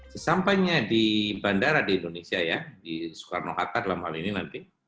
sesampainya di bandara di indonesia ya di soekarno hatta dalam hal ini nanti